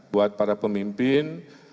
buat para pemimpin